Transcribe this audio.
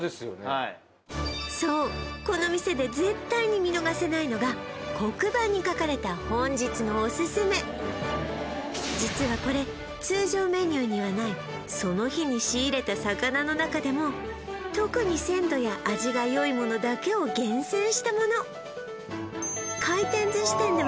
はいそうこの店で絶対に見逃せないのが黒板に書かれた本日のおすすめ実はこれ通常メニューにはないその日に仕入れた魚の中でも特に鮮度や味がよいものだけを厳選したもの回転寿司店ではめったに見ない